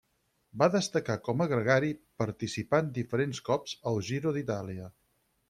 Va destacar com a gregari, participant diferents cops al Giro d'Itàlia.